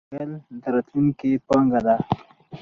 ځنګل د راتلونکې پانګه ده.